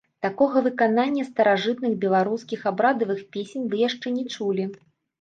Такога выканання старажытных беларускіх абрадавых песень вы яшчэ не чулі!